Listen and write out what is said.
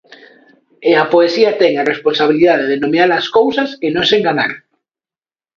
E a poesía ten a responsabilidade de nomear as cousas e non se enganar.